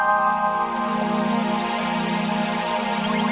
badan akang kurus bukan gak makan